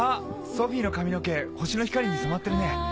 ソフィーの髪の毛星の光に染まってるね。